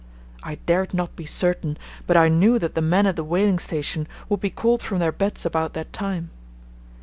I dared not be certain, but I knew that the men at the whaling station would be called from their beds about that time.